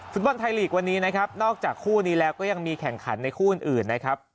ฟุตบอลไทยลีกวันนี้นะครับนอกจากคู่นี้แล้วก็ยังมีแข่งขันในคู่อื่นนะครับ